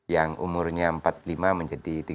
yang umurnya empat puluh lima menjadi tiga puluh